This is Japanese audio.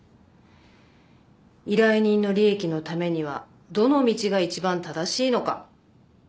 依頼人の利益のためにはどの道が一番正しいのか。